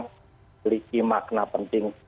memiliki makna penting